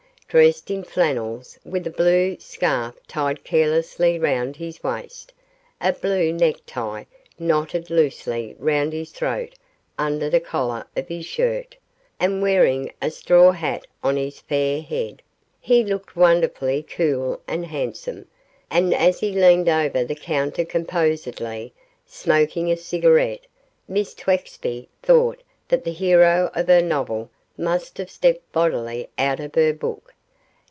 Dressed in flannels, with a blue scarf tied carelessly round his waist, a blue necktie knotted loosely round his throat under the collar of his shirt, and wearing a straw hat on his fair head, he looked wonderfully cool and handsome, and as he leaned over the counter composedly smoking a cigarette, Miss Twexby thought that the hero of her novel must have stepped bodily out of the book.